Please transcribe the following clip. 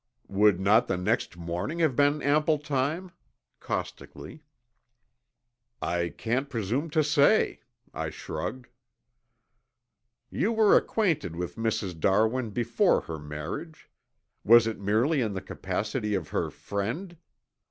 "Would not the next morning have been ample time?" caustically. "I can't presume to say," I shrugged. "You were acquainted with Mrs. Darwin before her marriage. Was it merely in the capacity of her friend?"